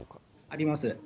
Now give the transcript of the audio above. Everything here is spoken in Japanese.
あります。